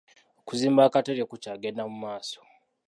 Okuzimba akatale kukyagenda mu maaso.